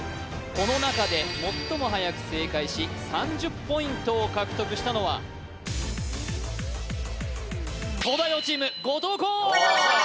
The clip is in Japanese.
この中で最もはやく正解し３０ポイントを獲得したのは東大王チーム後藤弘